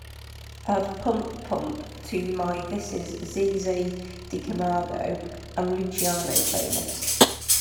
add pump-pump to my this is zezé di camargo & luciano playlist